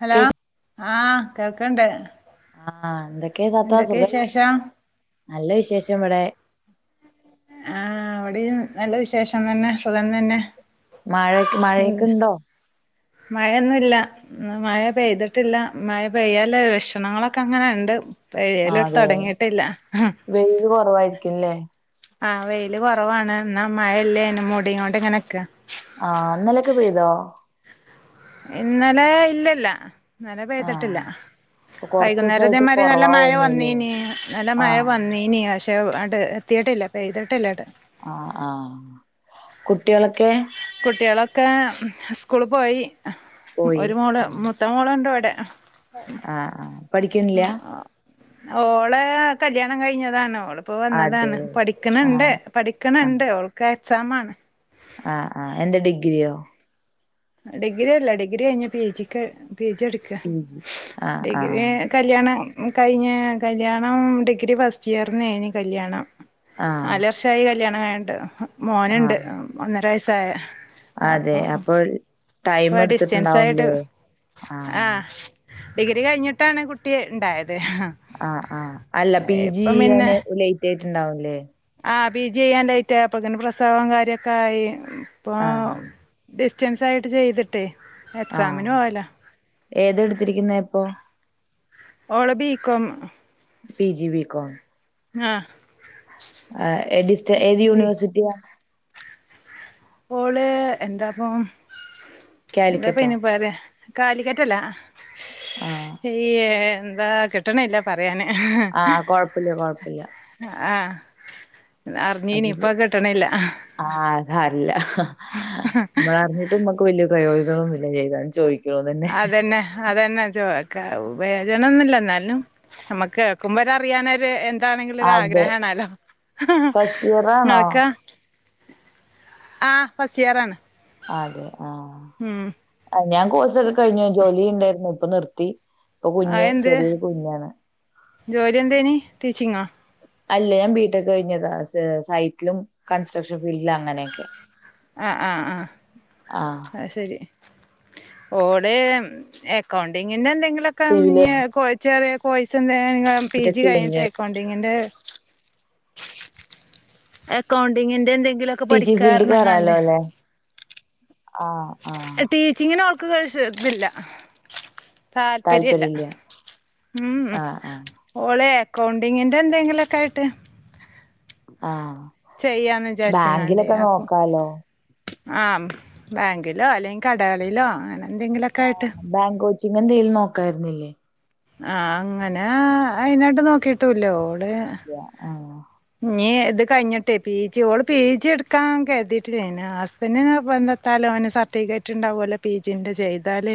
Hello കേ ആഹ കേൾക്കണ്ട്. ആഹ എന്തൊക്കെ താത്ത എന്തൊക്കെ സുഖല്ല വിശേഷം നല്ല വിശേഷം ഇവിടെ. ആഹ് വിടെയും നല്ല വിശേഷം തന്നെ സുഖം തന്നെ. മഴക്ക മഴയൊക്കെ ഉണ്ടോ? മഴയൊന്നുമല്ല. മഴ പെയ്തിട്ടില്ല മഴ പെയ്യാല ലക്ഷണങ്ങളൊക്കെ അങ്ങനെ ണ്ട് പ ആഹ് എഴയലോട്ട് അതെ തുടങ്ങിട്ടില്ല. വെയില് കുറവായിരിക്കുംല്ലേ ആഹ് വെയില്ൽ കുറവാണ് എന്ന അയലേനും മുടിയങ്ങണ്ട് ഇങ്ങനെൊക്ക. ആഹ് ഇന്നലൊക്കെ പെയ്തോ? ഇന്നലെ ഇല്ലല്ല ഇന്നലെ പെയ്തിട്ട്ല്ല. ആഹ് ഇപ്പൊ കൊറച്ച് വൈകുന്നേര ദിവസായിട്ട് ഇതേമരി നല്ല കൊറവാ മഴ തോന്നുന്നുല്ലേ വന്നീന് നല്ല മഴ ആഹ് വന്നി ഇനി പക്ഷേ അണ്ട് എത്തിട്ടില്ല പെയ്തീട്ട്ല്ല അടെ. ആഹ് ആഹ് കുട്ട്യേളൊക്കെ. കുട്ടിളൊക്കെ സ്കൂള് പോയി പോയി ഒരു മോള് മു. ആഹ് മൂത്ത മോള് ഇണ്ട് ഇവടെ ആഹ് ആഹ് പഠിക്കണില്ല ആഹ് ഓളെ കല്ല്യാണം കഴിഞ്ഞതാണ് ഓള് ഇപ്പ അതെ വന്നതാണ്. ആഹ് പഠിക്ക്ണണ്ട് പഠിക്ക് ണ് ആഹ് ഇണ്ട്. ഓൾക്ക് എക്സാം ആണ്. ആഹ് ആഹ് എന്ത് ഡിഗ്രിയോ. ഡിഗ്രി അല്ല ഡിഗ്രി കഴിഞ്ഞ് പി ജി പി ജി ക്ക് എ. ക്ക പി ജി ആഹ് ഡിഗ്രി ആഹ് കല്യാണം കഴിഞ്ഞ് കല്യാണം ഡിഗ്രി ഫസ്റ്റ് ഇയറിന്ന് ഏനി കല്യാണം ആഹ് നാല് വർഷ എയ് കല്യാണം കയ്ന്ട്ട്. മോന് ഇണ്ട് ആഹ് ഒന്നര വയസ്സായെ അതെ അപ്പെ ടൈം ഡിസ്റ്റൻസ് ആയിട്ട് ഇടുത്തിട്ടുണ്ടാവുലെ ആഹ് ഡിഗ്രി കഴിഞ്ഞിട്ടാണ് കുട്ടി ഇണ്ടായത് ആഹ് ആഹ് അല്ല പി ജി ഇപ്പം പിന്നെ അയ്യ്ന് ലെയ്റ്റ് ആയിട്ടുണ്ടാവുംല്ലേ ആഹ് പി ജി ചെയ്യാൻ ലൈറ്റ് ആയ്. അപ്പ ഇങ്ങനെ പ്രസവം കാര്യൊക്കെ ആയി ഇപ്പൊ ആഹ് ഡിസ്റ്റൻസ് ആയിട്ട് ചെയ്തിട്ട് ട്ടെ ആഹ് എക്സാമിന് പോവല ഏതാ എടുത്തിരിക്കുന്നെ ഇപ്പൊ ഓള BCom P G B Kom ആഹ് ആഹ് എടി ഏത് ബി യൂണിവേഴ്സിറ്റിയ ഓള് എന്താപ്പം എന്താപ്പ കാലിക്കറ്റോ അയ്നി പറ്യ കാലിക്കറ്റല്ലാ. ആഹ് ഈ എന്താ കിട്ട്ണ്ല്ല പറയാന്. ആഹ് കൊഴപ്പില്ല കൊഴപ്പില്ല. അഹ് ആഹ് അ അറിഞ്ഞീനി ഇപ്പൊ [unintelligible] കിട്ടണില്ല ആ അസാര്ല്ല നമ്മളറിഞ്ഞ ഞ്ഞിട്ട് അമ്മക്ക് വല്യ പ്രയോജന [unintelligible] ന്നുല്ല ഏ [unintelligible] താ ചോയ്ക്ക അതന്നെ അതെന്നെ ചോ ക്ക [unintelligible] പയോജനന്നുല്ല എന്നാലും അമ്മക്ക് കേക്കുമ്പോ ഒരു അറിയാനരു എ എതാണെങ്കിലും ഒര് അതെ ആഗ്രഹാണല്ലോ ഫസ്റ്റ് ഇയർ ആണോ ഇങ്ങൾക്കോ. ആ ഫസ്റ്റ്‌ ഇയറാണ്. അതെ ആഹ്. ഞാൻ കോഴ്സൊക്കെ കഴിഞ്ഞു ജോലി ഉണ്ടായിരുന്നു. ഇപ്പൊ നിർത്തി. ഇപ്പൊ കുഞ്ഞ് അതെന്ത് ചെറീ [unintelligible] കുഞ്ഞാണ്. ജോലി എന്തേനി ടീച്ചിങ്ങോ അല്ല ഞാൻ ബിടെക് കഴിഞ്ഞതാണ്. സൈറ്റിലും കൺസ്ട്രക്ഷൻ ഫീൽഡിലും അങ്ങനേക്കെ. അഹ് അഹ് ആഹ് ആഹ്. അയ്. ശരി ഓള് എക്കൗണ്ടിങ്ങിന്റെ എന്തെങ്കിലും. ക്കം സിവില് ഇഞ് ചെറിയ കോഴ്സ് എന്തെ [unintelligible] പി ബിടെക് ജി സിവിൽ കഴിഞ്ഞിട്ട എഞ്ചിനീയറിംഗ് അക്കോണ്ടിങ്ങിന്റെ എക്കൗണ്ടിങ്ങിന്റെ എന്തെങ്കിലൊ ടീച്ചി ഫീൽഡ് കേറാലോ അല്ലേ? ആഹ് ആഹ്. ടീച്ചിങ്ങിന് ഓൾക്ക് ഇ [unintelligible] ഇല്ല. താല്പര്യ ഇല്ല താല്പര്യമില്ല ഉം ഉം ആ ആ ഓളെ അക്കൗണ്ടിങ്ങിന്റെ എന്തെങ്കിലൊക്കെ ആയിട്ട്. ആഹ് ചെയ്യാന്ന് ബാങ്കിലൊക്കെ നോക്കാലോ. ആഹ ബാങ്കിലോ അല്ലെങ്കിൽ കടകളിലോ അങ്ങനെ എന്തെങ്കിലുമൊക്കെ ആയിട്ട് ബാങ്ക് കോച്ചിങ് എന്തെലും നോക്കാരുന്നില്ലേ ആഹ് അങ്ങനെ അയിനായിട്ട് നോക്കിട്ടുംല്ല ഓള് ആഹ് ഇനീ ഇത് കഴിഞ്ഞിട്ടെ പി ജി ഓള് പി ജി എടുക്കാൻ കരുതിട്ടില്ലയ്നി പിന്നെ പെണ്ണൊത്താല് ഓന് സർട്ടിഫിക്കറ്റ് ഉണ്ടാവൊല്ലോ പി ജിൻ്റെ ചെയ്താൽ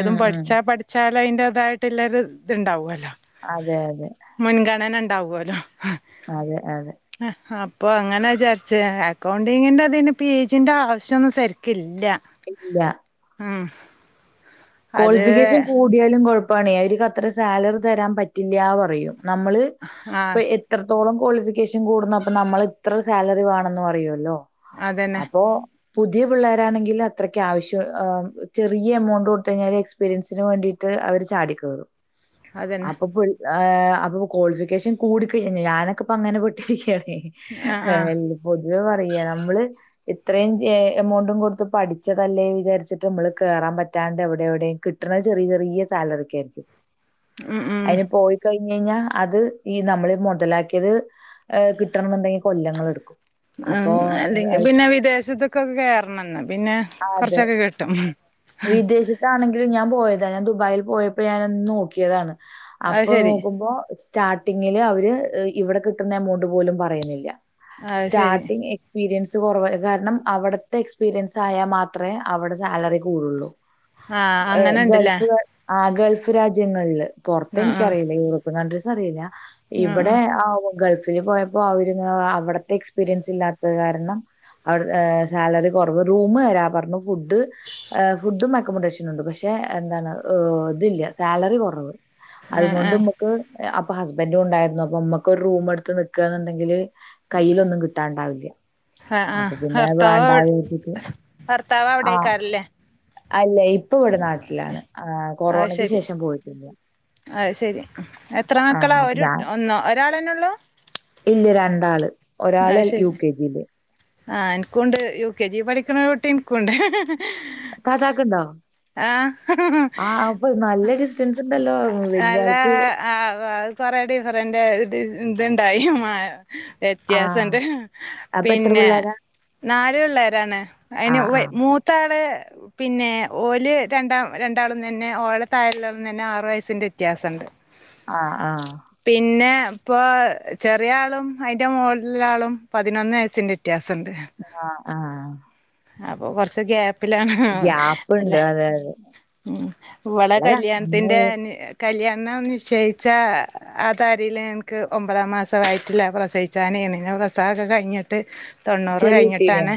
ഉം ഉം പഠിച്ചാ പഠിച്ചാല് അയിന്റെ അതായിട്ട്ള്ള ഒരു ഇത്ണ്ടാവല്ലോ അതെ അതെ മുൻഗണന ഉണ്ടാവൊല്ലോ അതെ അതെ അപ്പൊ അങ്ങനെ വിചാരിച് അക്കൗണ്ടിങ്ങിന്റെ അതിന് പി ജിന്റെ ആവശ്യാന്നും ശരിക്കില്ല ഇല്ല ഉം അത് ക്വാളിഫിക്കേഷൻ കൂടിയാലും കുഴപ്പണെ അവർക്ക് അത്ര സാലറി തരാൻ പറ്റില്ല്യ പറയും നമ്മള് ആഹ് ഇപ്പൊ എത്രത്തോളം ക്വാളിഫിക്കേഷൻ കൂടുന്ന് അപ്പൊ നമ്മൾ ഇത്ര സാലറി വേണെന്ന് പറയൊല്ലോ അതന്നെ അപ്പൊ പുതിയ പിള്ളേരാണെങ്കിൽ അത്രക്ക് ആവശ്യം ചെറിയ എമൗണ്ട് കഴിഞ്ഞല് എക്സ്പീരിയൻസിന് വേണ്ടിട്ട് അവര് ചാടികയറും അതന്നെ അപ്പൊ അപ്പൊ ക്വാളിഫിക്കേഷൻ കൂടി കഴിഞ്ഞ ഞാനൊക്കെപ്പൊ അങ്ങനെ പെട്ടിരിക്കയാണേ ആഹ് ആഹ് ആല്ല പൊതുവേ പറയ നമ്മള് ഇത്രയും എമൗണ്ടും കൊടുത്ത് പഠിച്ചതല്ലേ വിചാരിച്ചിട്ട് നമ്മള് കേറാൻ പറ്റാണ്ട് അവിടെ കിട്ട്ണത് ചെറിയ ചെറിയ സാലറിക്ക് ആയിരിക്കും ഉം ഉം അയിന് പോയി കഴിഞ്ഞഴിഞ്ഞാ അത് ഈ നമ്മള് മുതലാക്കിയത് കിട്ടണം എന്നുണ്ടെങ്കിൽ കൊല്ലങ്ങൾ എടുക്കും ഉം അപ്പൊ അല്ലെങ്കി പിന്നെ വിദേശത്തൊക്കൊക്കെ കേയറണം ഇന്നാപിന്നെ കുറച്ചൊക്കെ കിട്ടും അതാണെങ്കിലും ഞാൻ പോയതാണ് ഞാൻ ദുബായിൽ പോയപ്പോ ഞാന് ഒന്ന് നോക്കിയതാണ് അത് അപ്പൊ ശരി നോക്കുമ്പോ സ്റ്റാർട്ടിങ്ങില് അവര് ഇവിടെ കിട്ടുന്ന എമൗണ്ട് പോലും പറയുന്നില്ല അത് ശരി സ്റ്റാർട്ടിങ് എക്സ്പീരിയൻസ് കുറവ കാരണം അവിടുത്തെ എക്സ്പീരിയൻസ് ആയാൽ മാത്രമേ അവിടെ സാലറി കൂടുള്ളൂ ആഹ് എഹ് അങ്ങനെ ഇണ്ട്ല്ലേ ഗൾഫ് ക ആഹ് ഗൾഫ് രാജ്യങ്ങളില് പുറത്ത് ആഹ് എനിക്കറിയില്ല യൂറോപ്യൻ കൺട്രീസ് അറിയില്ല ആഹ് ഇബടെ ആഹ് ആ ഗൾഫില് പോയപ്പോ അവര് അവിടത്തെ എക്സ്പീരിയൻസ് ഇല്ലാത്തത് കാരണം അവിടെ സാലറി കുറവ് റൂം തരാ പറഞ്ഞു ഫുഡ് ഫുഡും അക്കമഡേഷൻ ഉണ്ട് പക്ഷെ എന്താണ് ഇതില്ല സാലറി കുറവ് ആഹ് അതുംകൊണ്ട് ആഹ് അപ്പൊ ഹസ്ബൻറും ഉണ്ടായിരുന്നു അപ്പൊ ഇമ്മക്കൊരു റൂമ് എടുത്ത് നിക്കന്നുണ്ടെങ്കില് കയ്യിലൊന്നും കിട്ടാണ്ടാവില്ല ആഹ് അപ്പാ ആഹ് പിന്നെ അത്‌ ഭർത്താവ് വണ്ടാച്ചിട്ട് ഭർത്താവ് ആഹ് അവിടെക്കാരല്ലേ അല്ലയ് ഇപ്പ ഇവടെ നാട്ടിലാണ് ആഹ് കൊറോണക്ക് ശേഷം പോയിട്ടില്ല അഹ് ശെരി എത്ര മക്കളാ ആഹ് അപ്പൊ ഒര് ഞാൻ ഒന്നോ ഒരാളെന്നെ ഒള്ളൂ ഇല്ല രണ്ടാള് ഒരാള് അത് എ യു ശരി കെ ജീല് ആഹ് ഇൻക്കൂണ്ട് യു കെ ജി പഠിക്കുണോരുട്ടി ഇൻക്കുണ്ട് താത്താക്ക്ണ്ടോ ആഹ് ആഹ് അപ്പൊ നല്ല ഡിസ്റ്റൻസ് ഇണ്ടല്ലോ വെല്ല്യ ആൾക്ക് ആഹ അത് കൊറെ ഡിഫറന്റ് ഇ ഇത്ണ്ടായി മാ ആഹ് വ്യത്യാസംണ്ട് അപ്പൊ എത്ര പിന്നെ പിള്ളേരാ നാല് പിള്ളേരാണ് അയ്ന് ആഹ് ആഹ് മൂത്താള് പിന്നെ ഓല് രണ്ടാം രണ്ടാളും തന്നെ ഓളെത്താഴെള്ളതും തന്നെ ആറ് വയസ്സിൻ്റെ വ്യത്യാസണ്ട് [inaudible] ആഹ് ആഹ് പിന്നെ ഇപ്പൊ ചെറിയ ആളും അയ്ന്റെ മോളില് ഇള്ള ആളും പതിനൊന്ന് വയസ്സിന്റെ വ്യ ത്യാസണ്ട് ആഹ് ആഹ് അപ്പോ കൊർച്ച് ഗ്യാ പ്പിലാണ് ഗ്യാപ്പുണ്ട് അല്ലെ അതെ അതെ ഉം ഇവളെ നല്ലതാ പിന്നെ കല്യാണ്ത്തിന്റെ കല്ല്യാണം നിശ്ചയിച്ചാ ആ താരീല് എൻക്ക് ഒമ്പതാം മാസ വൈട്ടിലാ പ്രസയി ച്ചനെണ് ന്താൻ പ്രസവൊക്കെ കയ്ഞ്ഞിട്ട് തൊണ്ണൂറ് ചെറിയ കുട്ടീനെയോ കഴിഞ്ഞിട്ടാണ്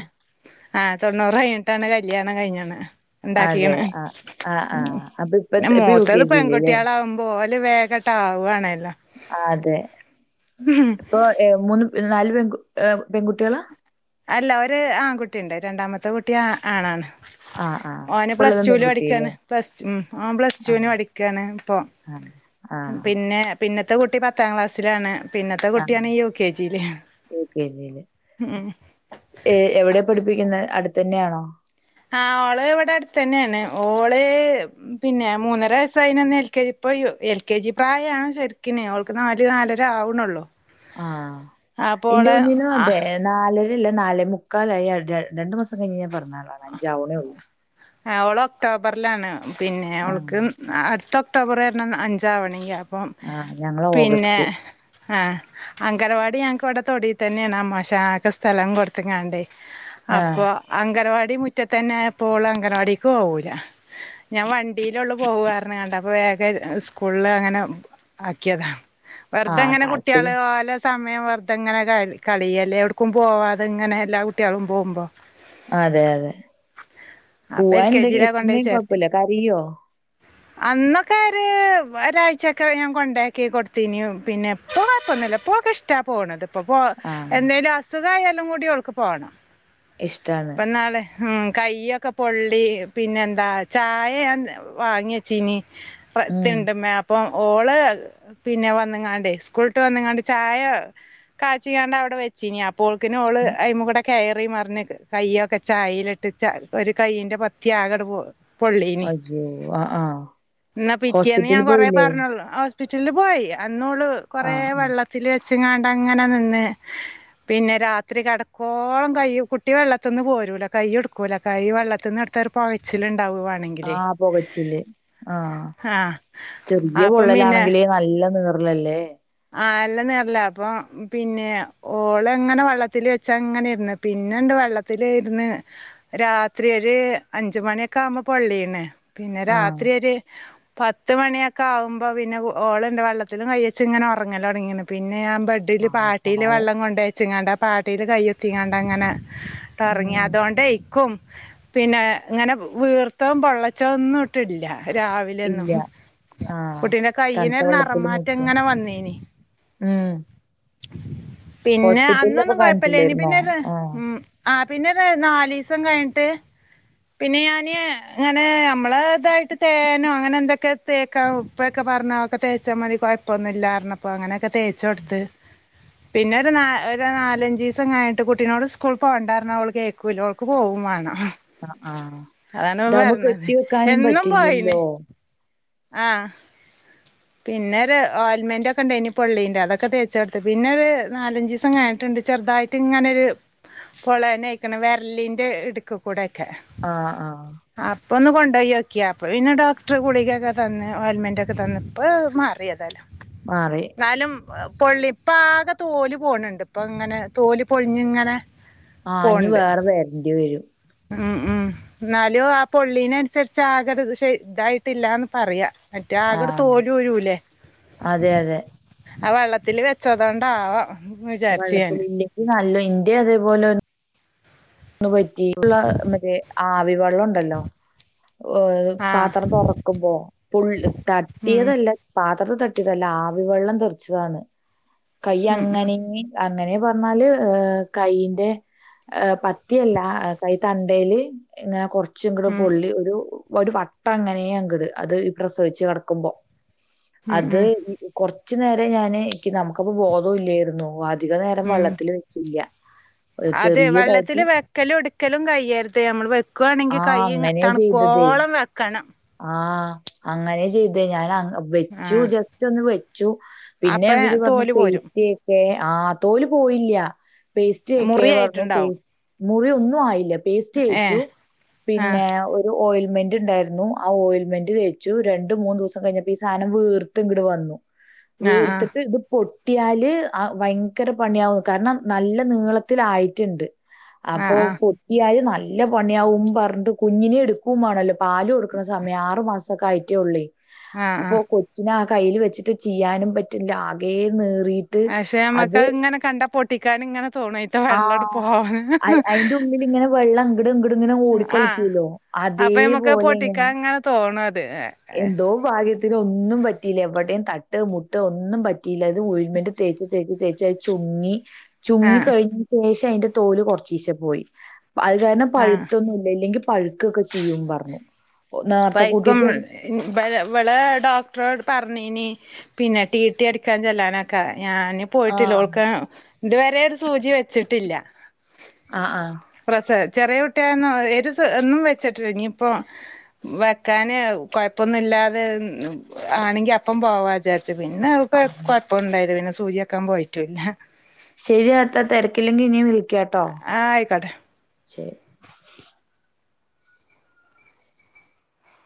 ആ തൊണ്ണൂറ് കഴിഞ്ഞിട്ടാണ് കല്യാണം കഴിഞ്ഞണ് അതെ ഉണ്ടാക്കീണ് ആഹ് ആഹ് ആഹ് അപ്പൊ ഇപ്പ പിന്നെ ഇപ്പൊ യു മൂത്തത് കെ ജിയില് ല്ലേ പെൺകുട്ടേളാവു മ്പോല് വേകട്ടാവാണല്ലോ ആ അതെ ഇപ്പൊ ഏ മൂന്ന് നാല് പെൺ ഏ പെൺ കുട്ടേളാ അല്ലാ ഒര് ആൺകുട്ടിണ്ട് രണ്ടാമത്തെ കുട്ടി ആ ആണാണ് ആഹ് ആഹ് ഓന് ഇപ്പ പ്ലസ് ഉള്ളതും ടുല് പെൺകുട്ടില്ലേ പഠിക്കാണ് പ്ലസ് ഉം ഓൻ പ്ലസ് ടുന് പഠിക്കാണ് ഇപ്പൊ അ ആഹ് പിന്നെ പിന്നത്തെ കുട്ടി പത്താം ക്ലാസ്സിലാണ് പിന്നത്തെ ആഹ് കുട്ടിയാണ് യു കെ ജീല് യു കെ ജിയില് ഉം ഏ എവടെയാ പഠിപ്പിക്ക്ന്ന് അട്ത്തന്നെയാണോ ആ ഓള് ഇവടെ അട്ത്തന്നെണ് ഓള് പിന്നെ മൂന്നര വയ്സ്സയിനാ ന്ന് എൽ കെ പ്പൊ യു എൽ കെ ജി പ്രായാണ് ശരിക്കിന് അവൾക്ക് നാല് നാലര ആവ്ണോള്ളൂ ആഹ് ഇന്റെ കുഞ്ഞിനോ ആ അതെ നാലരല്ലാ നാലെ മുക്കാലായി രണ്ട് മാസം കഴിഞ്ഞു കഴിഞ്ഞാ പെർന്നാളാണ് അവള് ഒക്ടോബറിലാണ് പിന്നെ ആ. അവൾക്ക് അട്ത്ത ഒക്ടോബർ വരണം അഞ്ചാവണെങ്കി അപ്പം ആ ഞങ്ങള് പിന്നെ ഓഗസ്റ്റ്. ആ അങ്കനവാടി ഞങ്ങക്ക് ഇവിടെ തൊടി തന്നെണ് അമോശക്കാ സ്ഥലം കൊട്ത്ത്ങ്ങണ്ട് ആ. അപ്പൊ അംഗനവാടി മുറ്റത്തന്നെ ആയപ്പോള് അംഗനവാടിക്ക് പോവൂലാ ഞാൻ വണ്ടിലൊള്ളൂ പോവാർഞ്ഞ്ങ്ങാണ്ട് അപ്പൊ വേഗ സ്കൂളില് അങ്ങനെ ആക്കിയതാ ആ വെർതെ അങ്ങനെ കുട്ടേള് താല്പര്യം ഒലെ സ് സമയം വെർതെ ഇങ്ങനെ ക കളിയല്ലേ എവ്ട്ക്കും പോവാതെ ഇങ്ങനെ എല്ലാ കുട്ടേളും പോവുമ്പോ അതെ അതെ അപ്പൊ എൽ പൂവാൻണ്ടങ്കി ഇഷ്ട്ടേണ്ടങ്കി കൊഴ്പ്പല്ലാ കരിയോ [inaudible] അന്നൊക്കൊര് ഒരാഴ്ചൊക്കെ ഞാൻ കൊണ്ടാക്കി കൊട്ത്തിനീ പിന്നെ ഇപ്പൊ കൊഴ്പ്പൊന്നുല്ലാ പ്പോ ഓൾക്ക് ഇഷ് ട്ടാ പോണത് പ്പോ പോ ആ. എന്തേലും അസുഖായാലും കൂടി ഓൾക്ക് പോണം ഇഷ്ടാണ്. പ്പം നാളെ ഉം കൈയൊക്കെ പൊള്ളി പിന്നെന്താ ചായ യാൻ വാങ്ങിച്ചീനി പ്ര ത്ത്ണ്ട്മ്മേ ഇപ്പം ഓള് പിന്നെ വന്ന്ങ്ങാണ്ടെ സ്കൂള്ട്ട് വന്ന്ങ്ങാണ്ട് ചായ കാച്ചിങ്ങാണ്ട് അവിടെ വെച്ചീനീ അപ്പോ ഒൾക്കന് ഓള് അയ്മകൂടെ കയറി മറിഞ്ഞക്ക് കയ്യൊക്കെ ചായെല് ട്ടിച്ച ഒരു കൈയിന്റെ പത്തി ആകെ ങ്ങട് പോ പൊള്ളീന് അയ്യോ! ആ, ആ. എന്നാ പിറ്റേന്ന് ഹോസ്പിറ്റലിൽ ഞാൻ കൊറ പോയില്ലേ? പറഞ്ഞ് ഒള്ളൂ അപ്പൊ സ് സ്പിറ്റലില് പോയി അന്നോളു ആ, കുറെേ ആ. വെള്ളത്തില് വെച്ചങ്ങണ്ട അങ്ങനെ നിന്ന് പിന്നെ രാത്രി കെടക്കോളം കൈ കുട്ടി വെള്ളത്തിന്ന് പോരൂല കൈ എടുക്കു കുല കൈ വെള്ളത്തിന്ന് എടുത്ത ഒരു പോകച്ചില് ഇണ്ടാവും ആണ് ആ പോകച്ചില് ആ ആഹ് ചെറിയ അപ്പം പൊള്ളലാണെങ്കില് നല്ല നീർല് അല്ലേ ആല്ലന്ന് അല്ല അപ്പൊ പിന്നെ ഓള് എങ്ങനെ വള്ളത്തില് വെച്ചാ അങ്ങനെ ഇര്ന്ന് പിന്നെ അങ്ട് വെള്ളത്തില് ഇരുന്ന് രാത്രി ഒരു അഞ്ച് മണിയൊക്കെ ആവുമ്പോ പൊള്ളീണേ പിന്നെ ആ. രാത്രിയൊര് പത്ത് മണിയൊക്കെ ആവുമ്പോ പിന്നെ ഓളുണ്ട് വെള്ളത്തിലും കയച്ചു ട്ട് ഇങ്ങനെ ഒറങ്ങല് ഒടങ്ങിന് പിന്നെ ഞൻ ബെഡില് പാവം, പാട്ടില് പാവം. വെള്ളം കൊണ്ടേയ് ച്ചുങ്ങാണ്ട പാട്ടീല് കയൊത്തിങ്ങണ്ട അങ്ങനെ ട്ടറങ്ങി അതോണ്ട് എക്കും പിന്നെ ഇങ്ങനെ വീർത്തവും പൊള്ളച്ചൊന്നും ഇട്ടില്ല രാവിലെ ഒന്നും ഇല്ല. ആഹ് കുട്ടീന്റെ കൈയിന് തണുത്ത ഒരു നെറം വെള്ളത്തില് മാറ്റം മുക്കി അങ്ങനെ വന്നേനി ഉം പിന്നെ ഹോസ്പിറ്റലിലപ്പൊ അന്നൊന്നും കൊഴപ്പല്ലേനി കാണിച്ചില്ലായിരുന്നോ പിന്നെരു ആഹ് ഉ ആ പിന്നെരു നാലീസം കയ്ഞ്ഞിട്ട് പിന്നെ ഞാന് പിന്നെ അമ്മള്തായ്ട്ട് തേനോ അങ്ങനെ എന്തൊക്കെ തേക്ക ഉപ്പൊക്കെ പറഞ്ഞാ ആഒക്കെ തേച്ചാ മതി കൊയ പ്പൊന്നും ഇല്ലാന്നർഞ്ഞപ്പം അങ്ങനെ ഒക്കെ തേച്ചൊട്ത്ത്. പിന്നെ ഒരു നാ ഒരു നാലഞ്ചീസം കയ്ഞ്ഞിട്ട് കുട്ടിനോട് സ്കൂൾകോണ്ടാർഞ്ഞ ഓള് കേ ക്കൂല ഓക്ക് പോവും വാണം. ആ ആ ഡാമ് കെട്ടി വെക്കാനും പറ്റില്ലല്ലോ. ആഹ്. പിന്നെ ഒരു ഓൽമെന്റ് ഒക്കെ ഇണ്ടായ്നി പൊള്ളിന്റെ അതൊക്കെ തേച്ചോട്ത്ത് പിന്നെ ഒര് നാലഞ്ചീ സം കയ്ഞ്ഞിട്ട്ണ്ട് ചെറ്തായി ട്ട്ങ്ങനെ ഒര് പൊളന്നെയക്ക്ണ് വെര്‌ലിന്റെ ഇട്ക്ക് കൂടെക്കെ. ആഹ് ആഹ്. അപ്പൊന്ന് കൊണ്ടോയോക്ക്യാ അപ്പ പിന്നെ ഡോക്ടർ ഗുളികക്കെ തന്ന് ഒൽമെന്റൊക്കെ തന്ന് ഇപ്പ മാറി അത്. താലും. മാറി. കാലും പൊള്ളി ഇപ്പ ആകെ തോല് പോണ്‌ണ്ട് ഇപ്പങ്ങനെ തോല് പൊൾഞ്ഞ്ങ്ങനെ ആ ഇഞ്ഞ് വേറെ വെര്ണ്ടി വെരും. ഉം ഉം ഇന്നാലും ആ പൊള്ളീനൻ സര്ച്ച് ആക ര്ശെ ഇതായിട്ടില്ലാന്ന് പറയാ. മറ്റേ ആകെ ഒരു ആഹ് തോല് ഊരൂലെ. അതെ അതെ ആ വെള്ളത്തില് വെച്ചതോണ്ടാവാം. ആ വിചാരിച്ച് ഞാന് വെള്ളത്തില്ലക്ക് നല്ലോ ഇറ്റെ അതേപോലെ [unintelligible] പറ്റി മറ്റേ ആവി വെള്ളം ഉണ്ടല്ലോ ഓയ് ആ പാത്രം തൊറക്കുമ്പോ പൊ ഉം തട്ട്യയതല്ല. പാത്രംത്ത് തട്ട്യയത് അല്ല ആവി വെള്ളം തെർച്ചതാന്ന് കൈ ഉം ഉം അങ്ങനെ ഇങ്ങി അങ്ങനെ പർഞ്ഞാല് ഏ കൈയിന്റെ ഏ പ ത്ത്യല്ല കൈ തണ്ടേല് ഇങ്ങനെ കൊർച്ച്ങ്ങ്ട് ഉം പൊള്ളി ഒരു ഒരു വട്ട അങ്ങനെയങ്ക്ട് അത് ഈ പ്രസവിച്ച് കെടക്കുമ്പോ അത് ഉം ഉം കൊർച്ച് നേരം ഞാന് ഇക്കി നമുക്ക പ്പ ബോധോ ഇല്ല്യാര്ന്നു വ അധിക നേരം ഉം വള്ളത്തില് വെച്ചില്ല്യ ഒരു ചെറിയതായ്ണ്ട് ക്കലും എട്ക്കലും കയ്യര്ത് അമ്മള് വെക്കോണെങ്കി ആ കൈ അങ്ങനെ ചെയ്തതേ. തണുകോളം വെക്കണം. ആ അങ്ങനെ ചെയ്തേ ഞാൻ ആ വെച്ചു ജസ്റ്റ് ഒന്ന് വെച്ചു പിന്നെ അപ്പ ഇവര് പർഞ്ഞു തോല് പോരും പേസ്റ്റേക്കെ ആ തോല് പോയില്ല്യ. പേസ്റ്റേക്കെ പർഞ്ഞു മുറിയായിട്ടുണ്ടാവും പേസ് മുറി ഒന്നും ആയില്ല ഏ പേസ്റ്റേച്ചു ആ പിന്നെ ഒരു ഓയിൽമെന്റ് ഇണ്ടായിര്ന്നു ആ ഓയിൽ മെന്റ് തേച്ചു രണ്ട് മൂന്നു ദിവസം കഴിഞ്ഞപ്പോ ഈ സാനം വീർത്ത് ഇങ്ങട്‌ വന്നു. ആ വീർത്ത്ട്ട് ഇത് പൊ ട്ട്യാല് ആ ഭയങ്കര പണ്യാവും കാരണം നല്ല നീളത്തിലായിട്ണ്ട്. ആ അപ്പൊ ആ പൊട്ട്യാല് നല്ല പണിയാവും പർഞ്ഞിട്ട് കുഞ്ഞിനെ എട്ക്കും വാണല്ലോ പാലും കൊട് [unintelligible] സമയ ആറ് മാസൊക്കെ ആയിട്ടേ ഒള്ളേ ആ ആ ആ അപ്പൊ കൊ ച്ച്‌നെ ആ കയ്യിൽ വെച്ച്ട്ട് ചെയ്യാനും പറ്റില്ല ആകെ നീറി പക്ഷെ അമ്മക്ക് അത് ഇങ്ങനെ കണ്ടാ പൊട്ടിക്കാന് ഇങ്ങനെ തോണാ ആഹ് അയ് അയ്ന്റെ ഉള്ള്ല് ഇങ്ങനെ വെള്ളം അങ്ങ്ടും ഇങ്ങ്ടും ഇങ്ങനെ ഓടി ആ കളിക്കൂല്ലോ. അപ്പൊ നമ്മക്ക് അത് പൊട്ടിക്കാൻ ഇങ്ങനെ തോണു അത്. എന്തോ ഭാഗ്യത്തിന് ഒന്നും പറ്റിയില്ല എവെടേം തട്ടേ മുട്ടേ ഒന്നും പറ്റി റ്റില്ല ഇത് ഓയിൽ മെന്റ് തേച്ച് തേച്ച് തേച്ചത് ചുങ്ങി ചുങ്ങി ആ കഴിഞ്ഞ ശേഷം അയ്ന്റെ തോൽ കൊർച്ചീ ശെ പോയി അത് കാരണം ആഹ് പഴുത്തൊന്നും ഇല്ലങ്കി പഴുക്കൊക്കെ ചെയ്യും പർഞ്ഞു. പഴ്ക്കും ഇവ ഇവളെ ഡോക്ടറോട് പറഞ്ഞീനി പിന്നെ ട്ടി ട്ടി അടി ഞാൻ ചെല്ലാനൊക്കെ ഞാന് പോയിട്ടില്ല ആഹ്. ഓൾക്ക് ഇതുവരെ ഒരു സൂചി വെച്ചിട്ടില്ല. ആഹ് ആഹ്. പ്രസ ചെറിയ കുട്ട്യായന്നും എരുസ ഒന്നും വെച്ചിട്ടി ഇനിപ്പോ വെക്കാന് കൊഴപ്പൊന്നും ഇല്ലാതെ ആണെങ്കി അപ്പം പോവാ വിചാരിച്ച് ച്ച് പിന്നെ അവക്ക് ആഹ്. കൊഴപ്പ ഇണ്ടായില്ല പിന്നെ സൂചിക്കാൻ പോയിട്ടൂല്ല ശരി അത്ത തെരക്കില്ലെങ്കിൽ ഇനിയും വിളിക്കാട്ടോ ആഹ് ആയിക്കോട്ടെ ശരി